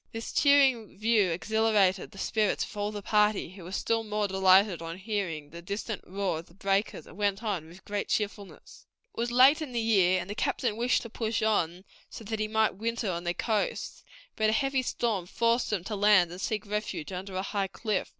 This cheering view exhilarated the spirits of all the party, who were still more delighted on hearing the distant roar of the breakers, and went on with great cheerfulness." It was late in the year, and the captain wished to push on so that he might winter on the coast, but a heavy storm forced them to land and seek refuge under a high cliff.